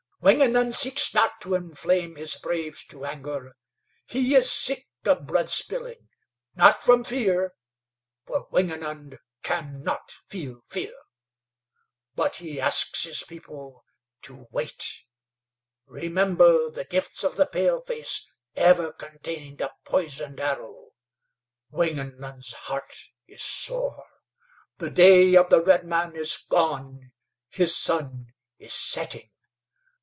"Wingenund seeks not to inflame his braves to anger. He is sick of blood spilling not from fear; for Wingenund cannot feel fear. But he asks his people to wait. Remember, the gifts of the paleface ever contained a poisoned arrow. Wingenund's heart is sore. The day of the redman is gone. His sun is setting.